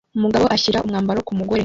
Umugabo ashyira umwambaro ku mugore